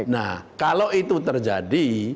nah kalau itu terjadi